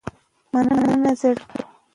مننه زړګیه